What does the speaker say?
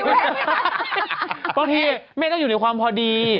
บางทีแม่ต้องอยู่ในความพอดี